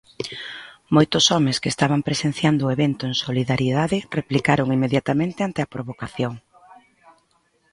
Moitos homes que estaban presenciando o evento en solidariedade replicaron inmediatamente ante a provocación.